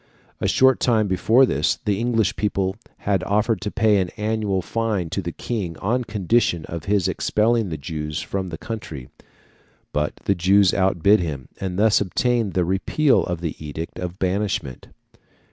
A short time before this, the English people had offered to pay an annual fine to the King on condition of his expelling the Jews from the country; but the Jews outbid them, and thus obtained the repeal of the edict of banishment.